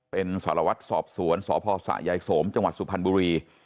เป็นสารวัตรสอบสวนสพสะยายสมจังหวัดสุพรรณบุรี